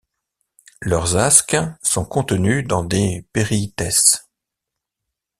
Leurs asques sont contenus dans des périthèces.